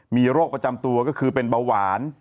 มีโรคประจำตัวก็คือเป็นเบาหวาน